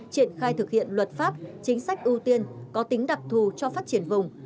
triển khai thực hiện luật pháp chính sách ưu tiên có tính đặc thù cho phát triển vùng